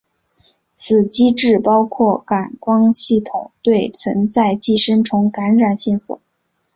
此机制包括感官系统对存在寄生虫感染线索。